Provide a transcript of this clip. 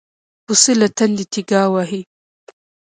پسه له تندې تيګا وهي.